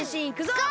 ゴー！